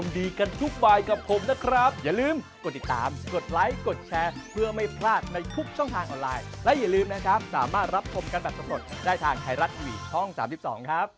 ได้ทางไทรัตวิทย์ช่อง๓๒ครับ